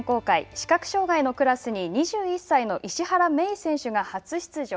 視覚障害のクラスに２１歳の石原愛依選手が初出場。